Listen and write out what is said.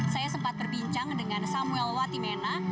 saya sempat berbincang dengan samuel watimena